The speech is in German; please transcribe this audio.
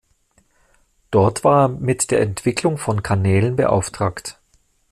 Dort war er mit der Entwicklung von Kanälen beauftragt.